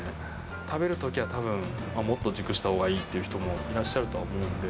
食べる時は多分もっと熟した方がいいっていう人もいらっしゃるとは思うんで。